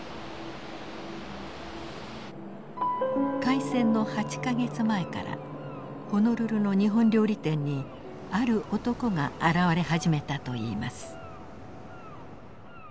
開戦の８か月前からホノルルの日本料理店にある男が現れ始めたといいます。